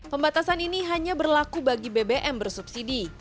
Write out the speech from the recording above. pembatasan ini hanya berlaku bagi bbm bersubsidi